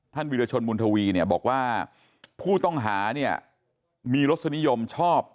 วิรชนบุญทวีเนี่ยบอกว่าผู้ต้องหาเนี่ยมีรสนิยมชอบ